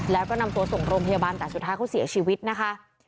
แล้วก็นำตัวส่งโรงพยาบาลแต่สุดท้ายเขาเสียชีวิตนะคะ